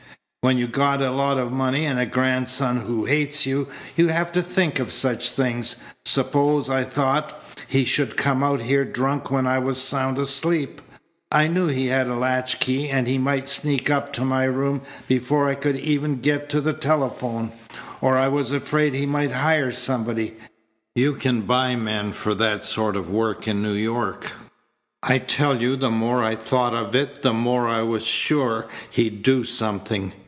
"When you got a lot of money and a grandson who hates you, you have to think of such things. Suppose, I thought, he should come out here drunk when I was sound asleep. I knew he had a latch key, and he might sneak up to my room before I could even get to the telephone. Or I was afraid he might hire somebody. You can buy men for that sort of work in New York. I tell you the more I thought of it the more I was sure he'd do something.